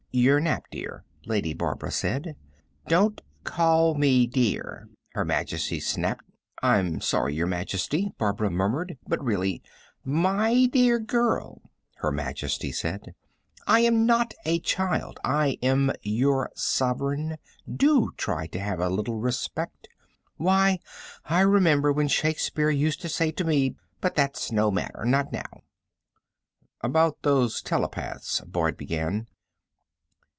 "Your nap, dear," Lady Barbara said. "Don't call me 'dear,'" Her Majesty snapped. "I'm sorry, Your Majesty," Barbara murmured. "But really " "My dear girl," Her Majesty said, "I am not a child. I am your sovereign. Do try to have a little respect. Why, I remember when Shakespeare used to say to me but that's no matter, not now." "About those telepaths " Boyd began.